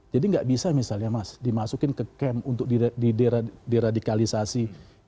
jadi nggak bisa misalnya mas dimasukin ke kem untuk diradikalisasi